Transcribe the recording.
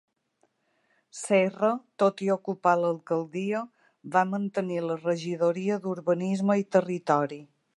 Serra, tot i ocupar l'alcaldia, va mantenir la regidoria d'Urbanisme i Territori.